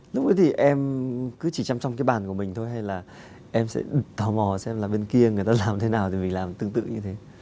lúc ấy thì em cứ chỉ chăm trong cái bàn của mình thôi hay là em sẽ thảo mò xem là bên kia người ta làm thế nào thì mình làm tương tự như thế